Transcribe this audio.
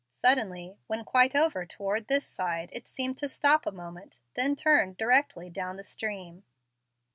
Suddenly, when quite over toward this side, it seemed to stop a moment, then turn directly down the stream."